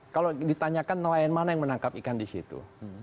kalau ditanyakan nelayan mana yang menangkap ikan di situ